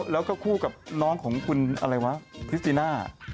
แล้วก็คู่กับน้องของคุณอะไรวะพริสติน่า